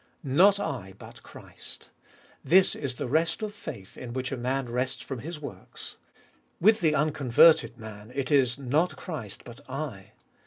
7. Not I, but Christ. This is the rest of faith in which a man rests from his works. With the unconverted man it is, Not Christ, but I.